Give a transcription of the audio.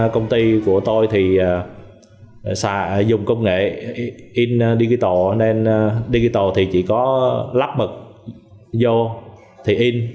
công ty của tôi thì dùng công nghệ in digital nên digital thì chỉ có lắp mật vô thì in